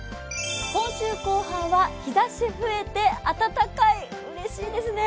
今週後半は日ざし増えて暖かい、うれしいですね。